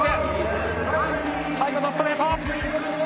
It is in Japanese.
最後のストレート。